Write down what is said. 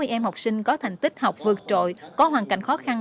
ba mươi em học sinh có thành tích học vượt trội có hoàn cảnh khó khăn